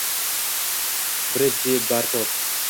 Brijitte Bartod